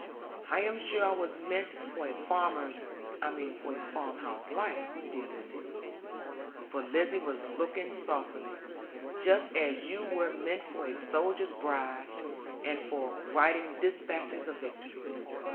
I am sure I was meant for a farmer's I mean for a farm house life, dear Lizzie' for Lizzie was looking saucily 'just as you were meant for a soldier's bride, and for writing despatches of victory.